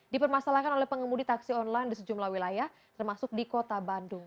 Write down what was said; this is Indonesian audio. dipermasalahkan oleh pengemudi taksi online di sejumlah wilayah termasuk di kota bandung